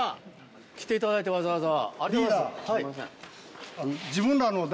来ていただいてわざわざ。